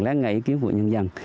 lén ngay ý kiến của nhân dân